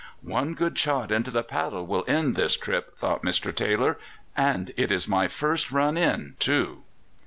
"One good shot into the paddle will end this trip," thought Mr. Taylor; "and it is my first run in, too!"